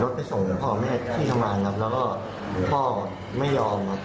พ่อไม่ให้ที่ทำร้านรับแล้วก็พ่อไม่ยอมครับ